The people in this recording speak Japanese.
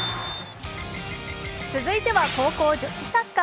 続いては高校女子サッカー。